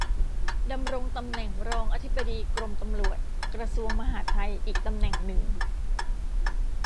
ดำรงตำแหน่งรองอธิบดีกรมตำรวจ กระทรวงมหาดไทย อีกตำแหน่งหนึ่ง